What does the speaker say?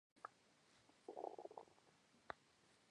È membro dell'Associazione italiana dei costituzionalisti.